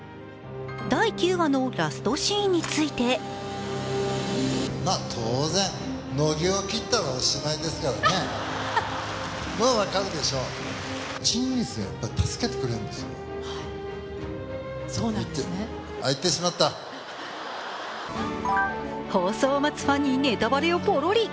第９話のラストシーンについて放送を待つファンにネタバレをポロリ。